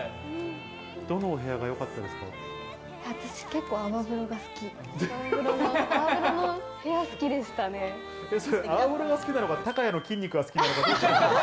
どのお部屋がよかったですか？